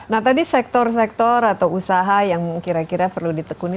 nah tadi sektor sektor atau usaha yang kira kira perlu ditekuni